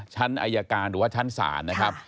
ชั้นอายการหรือว่าชั้นศาลนะครับ